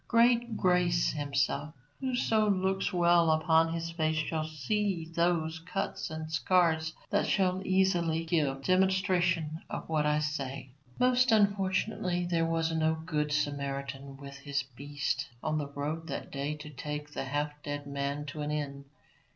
Great Grace himself, whoso looks well upon his face shall see those cuts and scars that shall easily give demonstration of what I say. Most unfortunately there was no good Samaritan with his beast on the road that day to take the half dead man to an inn.